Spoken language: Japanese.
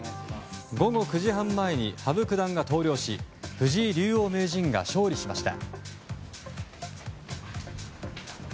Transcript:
午後９時半前に羽生九段が投了し藤井竜王・名人が勝利しました。